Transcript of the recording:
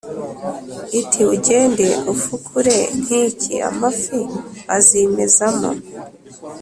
iti : “ugende ufukure nk’iki, amafi azimezamo.”